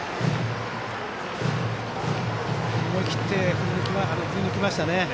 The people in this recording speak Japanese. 思い切って振り抜きましたね。